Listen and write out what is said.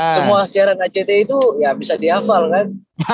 semua siaran act itu ya bisa dihafal kan